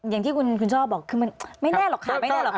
อย่างที่คุณชอบบอกคือมันไม่แน่หรอกค่ะ